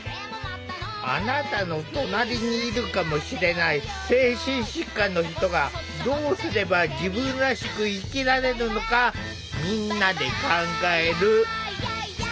あなたの隣にいるかもしれない精神疾患の人がどうすれば自分らしく生きられるのかみんなで考える。